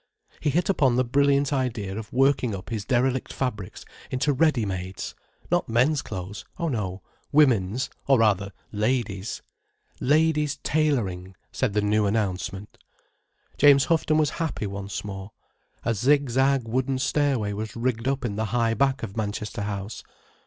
He hit upon the brilliant idea of working up his derelict fabrics into ready mades: not men's clothes, oh no: women's, or rather, ladies'. Ladies' Tailoring, said the new announcement. James Houghton was happy once more. A zig zag wooden stair way was rigged up the high back of Manchester House.